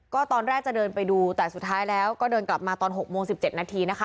ก็ตอนแรกจะเดินไปดูแต่สุดท้ายแล้วก็เดินกลับมาตอน๖โมง๑๗นาทีนะคะ